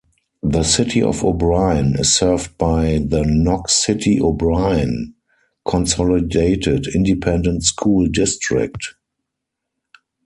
The City of O'Brien is served by the Knox City-O'Brien Consolidated Independent School District.